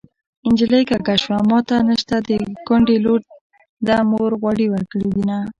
نجلۍ کږه شوه ماته نشته د کونډې لور ده مور غوړي ورکړې دينه